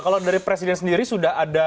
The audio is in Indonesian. kalau dari presiden sendiri sudah ada